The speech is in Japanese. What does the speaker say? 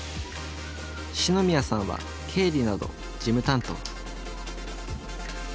四ノ宮さんは経理など事務担当。